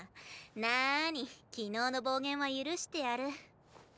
なあに昨日の暴言は許してやる。